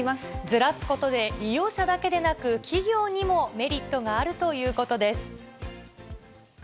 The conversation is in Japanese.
ずらすことで、利用者だけでなく、企業にもメリットがあるということです。